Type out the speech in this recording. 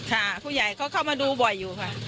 ค่ะผู้ใหญ่เขาเข้ามาดูบ่อยอยู่ค่ะ